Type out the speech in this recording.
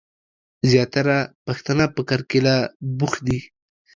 زياتره پښتنه په کرکيله بوخت دي.